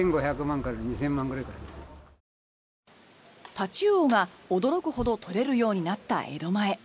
タチウオが驚くほど取れるようになった江戸前。